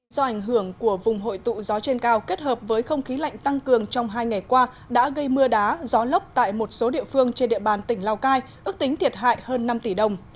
do ảnh hưởng của vùng hội tụ gió trên cao kết hợp với không khí lạnh tăng cường trong hai ngày qua đã gây mưa đá gió lốc tại một số địa phương trên địa bàn tỉnh lào cai ước tính thiệt hại hơn năm tỷ đồng